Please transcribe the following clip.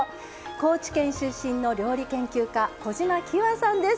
高知県出身の料理研究家・小島喜和さんです。